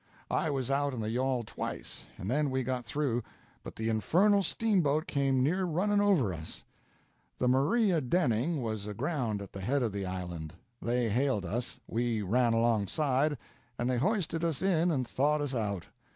I was out in the yawl twice, and then we got through, but the infernal steamboat came near running over us .... The "Maria Denning" was aground at the head of the island; they hailed us; we ran alongside, and they hoisted us in and thawed us out.